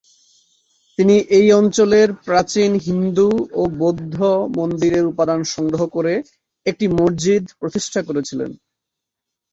তিনি এই অঞ্চলের প্রাচীন হিন্দু ও বৌদ্ধ মন্দিরের উপাদান সংগ্রহ করে একটি মসজিদ প্রতিষ্ঠা করেছিলেন।